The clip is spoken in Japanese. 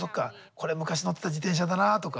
これ昔乗ってた自転車だなとか。